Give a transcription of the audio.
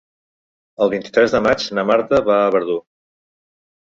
El vint-i-tres de maig na Marta va a Verdú.